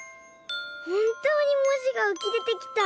ほんとうにもじがうきでてきた。